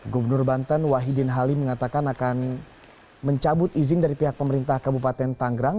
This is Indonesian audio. gubernur banten wahidin halim mengatakan akan mencabut izin dari pihak pemerintah kabupaten tanggrang